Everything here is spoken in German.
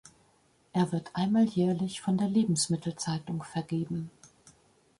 Er wird einmal jährlich von der "Lebensmittel Zeitung" vergeben.